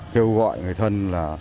kêu gọi người thân